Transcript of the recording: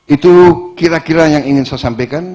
itu kira kira yang ingin saya sampaikan